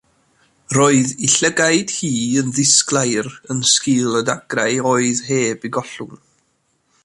Roedd ei llygaid hi'n ddisglair yn sgil y dagrau oedd heb eu gollwng.